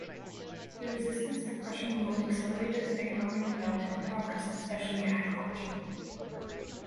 The resistance to Prussian rule accelerated the economic development and progress, especially in agriculture.